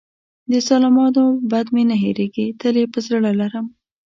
د ظالمانو بد مې نه هېرېږي، تل یې په زړه لرم.